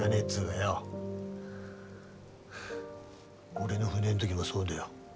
俺の船ん時もそうだよ。